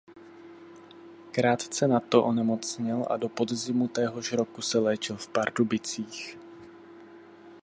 Krátce nato onemocněl a do podzimu téhož roku se léčil v Pardubicích.